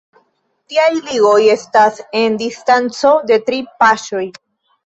Tiaj ligoj estas en distanco de tri paŝoj.